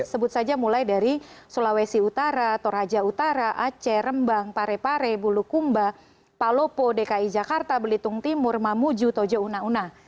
sebut saja mulai dari sulawesi utara toraja utara aceh rembang parepare bulukumba palopo dki jakarta belitung timur mamuju toja una una